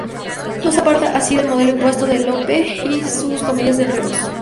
No se aparta, así, del modelo impuesto por Lope y sus comedias de enredos.